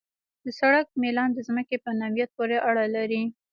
د سړک میلان د ځمکې په نوعیت پورې اړه لري